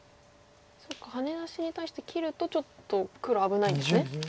そっかハネ出しに対して切るとちょっと黒危ないんですね。